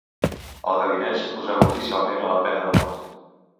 El gabinet s'oposava oficialment a la pena de mort.